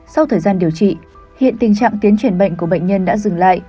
sau thời gian điều trị hiện tình trạng tiến chuyển bệnh của bệnh nhân đã dừng lại